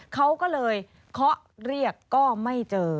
เขาก็เลยเคาะเรียกก็ไม่เจอ